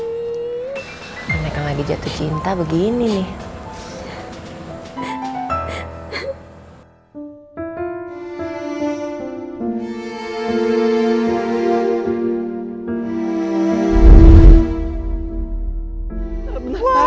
mereka lagi jatuh cinta begini nih